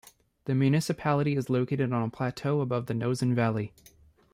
The municipality is located on a plateau above the Nozon valley.